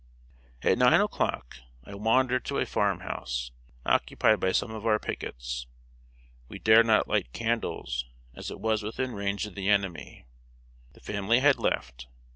] At nine o'clock, I wandered to a farm house, occupied by some of our pickets. We dared not light candles, as it was within range of the enemy. The family had left.